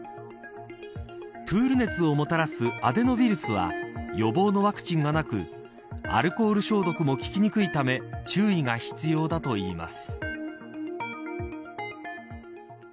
プール熱をもたらすアデノウイルスは予防のワクチンがなくアルコール消毒も効きにくいため注意が必要だといいます。